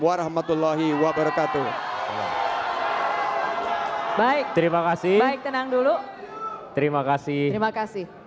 warahmatullahi wabarakatuh baik terima kasih baik tenang dulu terima kasih terima kasih